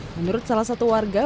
menurut salah satu warga